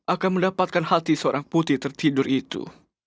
akan mendapatkan hati seorang putri tertidur itu